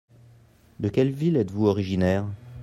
De quelle ville êtes-vous originaire ?